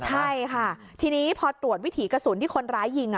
ใช่ค่ะทีนี้พอตรวจวิถีกระสุนที่คนร้ายยิง